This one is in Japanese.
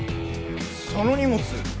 その荷物。